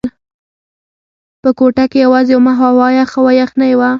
په کوټه کې یوازې وم او هوا یخه وه، یخنۍ وه.